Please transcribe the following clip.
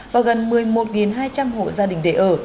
và gần một mươi một hai trăm linh hộ gia đình để ở